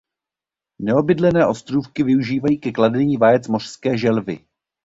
Neobydlené ostrůvky využívají ke kladení vajec mořské želvy.